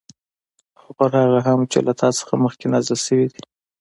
او په هغه هم چې له تا څخه مخكي نازل شوي دي